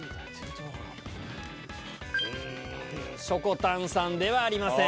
しょこたんさんではありません。